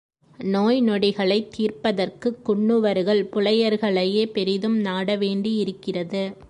நோய் நொடிகளைத் தீர்ப்பதற்குக் குன்னுவர்கள் புலையர்களையே பெரிதும் நாடவேண்டியிருக்கிறது.